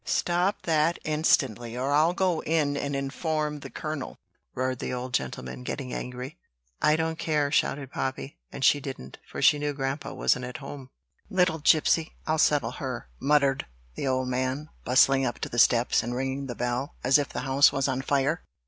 "Stop that, instantly, or I'll go in and inform the colonel!" roared the old gentleman, getting angry. "I don't care," shouted Poppy; and she didn't, for she knew grandpa wasn't at home. "Little gipsy! I'll settle her," muttered the old man, bustling up to the steps, and ringing the bell, as if the house was on fire.